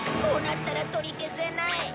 こうなったら取り消せない。